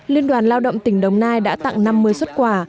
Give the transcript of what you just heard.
liên đoàn lao động tỉnh đồng nai đã tặng năm mươi xuất quà